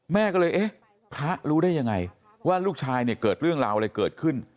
แม่ก็เลยเอ๊ะพระรู้ได้ยังไงว่าลูกชายเนี่ยเกิดเรื่องราวอะไรเกิดขึ้น